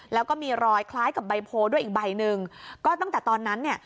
แล้วก็มีรอยคล้ายกับใบโพด้วยอีกใบหนึ่งก็ตั้งแต่ตอนนั้นเนี่ย